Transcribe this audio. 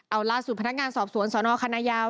เอาล่าสุดพนักงานสอบสวนสนคณะยาว